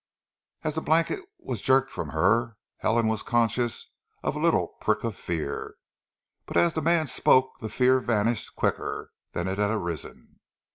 As the blanket was jerked from her, Helen was conscious of a little prick of fear, but as the man spoke the fear vanished quicker than it had arisen.